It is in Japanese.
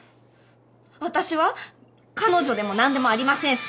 私は彼女でもなんでもありませんし！